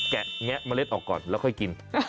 แกะแงะเมล็ดออกก่อนแล้วค่อยกิน